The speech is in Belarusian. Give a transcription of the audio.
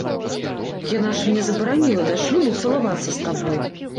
Яна ж мне забараніла да шлюбу цалавацца з табой.